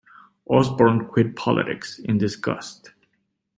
Osborne quit politics in disgust.